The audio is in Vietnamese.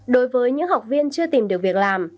đối với những học viên chưa tìm được việc làm